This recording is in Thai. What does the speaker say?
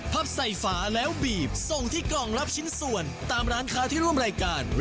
ประกาศผลทุกวันในรายการตลอดข่าว